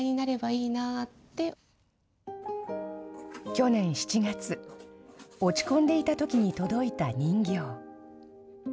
去年７月、落ち込んでいたときに届いた人形。